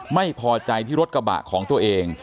ไม่พอใจที่รถกระบะของตัวเอง